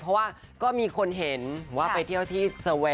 เพราะว่าก็มีคนเห็นว่าไปเที่ยวที่